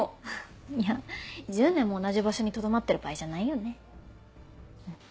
いや１０年も同じ場所にとどまってる場合じゃないよね。